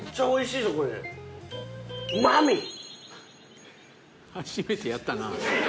これ初めてやったな